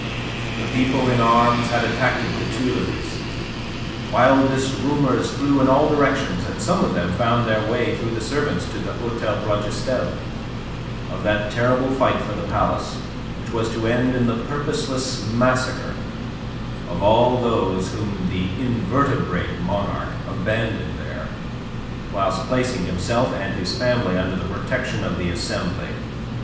The people in arms had attacked the Tuileries. Wildest rumours flew in all directions, and some of them found their way through the servants to the Hotel Plougastel, of that terrible fight for the palace which was to end in the purposeless massacre of all those whom the invertebrate monarch abandoned there, whilst placing himself and his family under the protection of the Assembly.